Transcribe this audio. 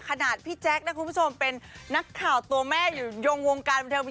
ขนาดพี่แจ็คนะครับคุณผู้ชมเป็นนักข่าวตัวแม่อยู่ยงวงการประเทศมา๒๐ปี